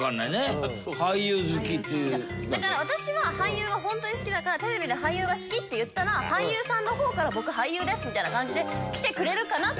だから私は俳優がホントに好きだからテレビで俳優が好きって言ったら俳優さんの方から「僕俳優です」みたいな感じで来てくれるかなって。